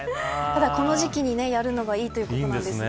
ただ、この時期にやるのがいいということなんですね。